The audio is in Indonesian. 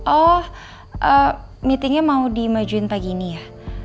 oh meetingnya mau dimajuin pagi ini ya